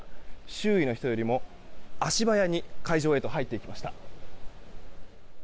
周囲の人よりも足早に会場へと入っていきました。